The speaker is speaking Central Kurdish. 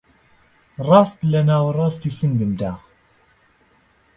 ڕاست لە ناوەڕاستی سنگمدا